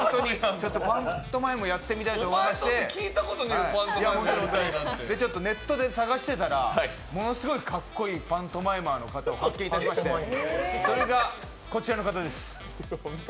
パントマイムやってみたいと思いまして、ネットで探してたらものすごい格好いいパントマイマーの方を発見しましてそれがこちらの方です。